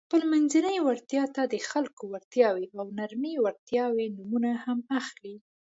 خپلمنځي وړتیا ته د خلکو وړتیاوې او نرمې وړتیاوې نومونه هم اخلي.